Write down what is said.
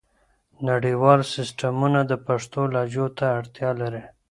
نړیوال سیسټمونه د پښتو لهجو ته اړتیا لري.